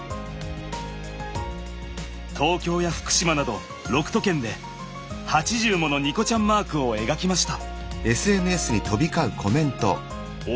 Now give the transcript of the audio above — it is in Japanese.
東京や福島など６都県で８０ものニコちゃんマークを描きました。